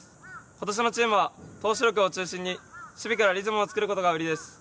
今年のチームは、投手力を中心に守備からリズムを作ることが売りです。